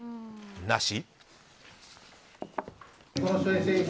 なし？